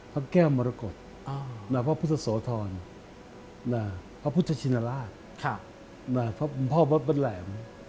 พระแก้วมรกฏพระพุทธโสธรพระพุทธชินราชพ่อวัดบ้านแหลม